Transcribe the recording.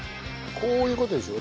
こういう事でしょ？